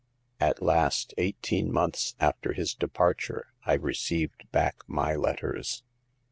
At last, eighteen months after his departure, I received back my letters."